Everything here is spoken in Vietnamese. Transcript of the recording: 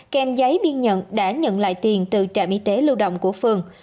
kèm giấy biên nhận đã nhận lại tiền từ trạm y tế lưu động của phường